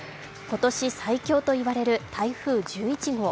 今年最強といわれる台風１１号。